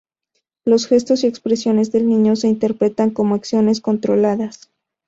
Los gestos y expresiones del niño se interpretan como acciones controladas.